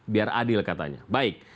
biar adil katanya baik